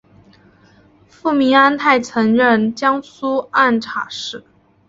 父明安泰曾任江苏按察使。